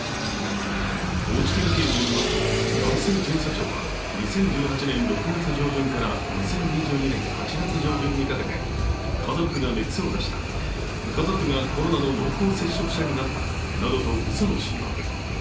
高知県警によりますと、男性巡査長は、２０１８年６月上旬から２０２２年８月上旬にかけて家族が熱を出した、家族がコロナの濃厚接触者になったなどとうその申告。